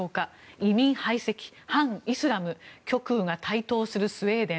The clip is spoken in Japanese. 移民排斥、反イスラム極右が台頭するスウェーデン。